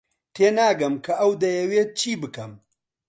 تێناگەم کە ئەو دەیەوێت چی بکەم.